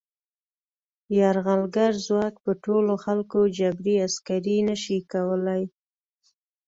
یرغلګر ځواک په ټولو خلکو جبري عسکري نه شي کولای.